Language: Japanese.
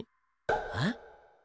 あっ？